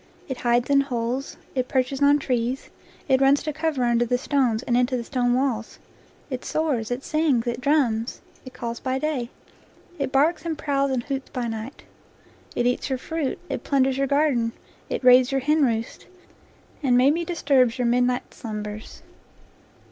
It hides in holes, it perches on trees, it runs to cover under the stones and into the stone walls; it soars, it sings, it drums, it calls by day, it barks and prowls and hoots by night. It eats your fruit, it plunders you? garden, it raids your henroost, and maybe disturbs your midnight slumbers.